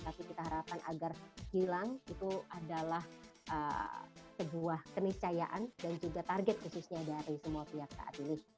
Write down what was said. tapi kita harapkan agar hilang itu adalah sebuah keniscayaan dan juga target khususnya dari semua pihak saat ini